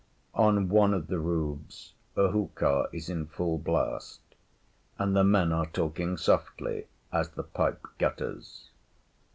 On one of the roofs, a hookah is in full blast; and the men are talking softly as the pipe gutters.